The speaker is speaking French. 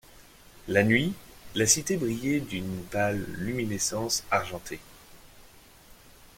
La nuit, la cité brillait d'une pâle luminescence argentée.